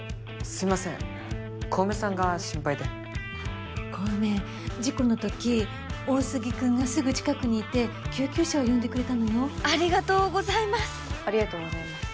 すいません小梅さんが心配で小梅事故のとき大杉君がすぐ近くにいて救急車を呼んでくれたのよありがとうございます！